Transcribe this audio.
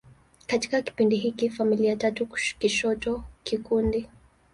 Katika kipindi hiki, familia tatu kushoto kikundi.